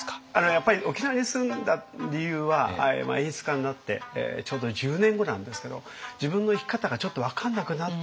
やっぱり沖縄に住んだ理由は演出家になってちょうど１０年後なんですけど自分の生き方がちょっと分かんなくなった。